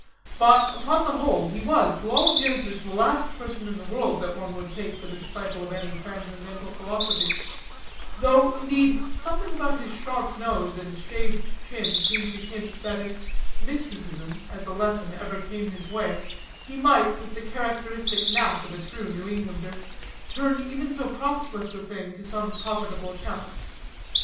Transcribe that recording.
But, upon the whole, he was, to all appearances, the last person in the world that one would take for the disciple of any transcendental philosophy; though, indeed, something about his sharp nose and shaved chin seemed to hint that if mysticism, as a lesson, ever came in his way, he might, with the characteristic knack of a true New Englander, turn even so profitless a thing to some profitable account.